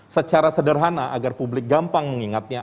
secara sederhana agar publik gampang mengingatnya